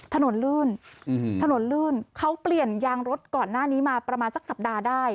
ถนนลื่นถนนลื่นเขาเปลี่ยนยางรถก่อนหน้านี้มาประมาณสักสัปดาห์ได้